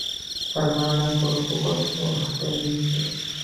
সরকার অনেক বড় বড় প্রকল্প হাতে নিচ্ছে।